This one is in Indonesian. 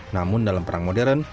namun dalam perang modern